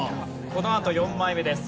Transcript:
このあと４枚目です。